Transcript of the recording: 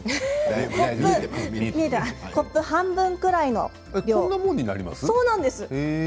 コップ半分ぐらいの量です。